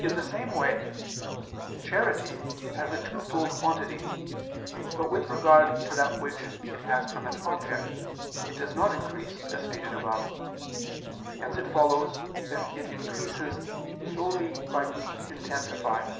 In the same way charity has a twofold quantity; but with regard to that which it has from its object, it does not increase, as stated above: hence it follows that it increases solely by being intensified.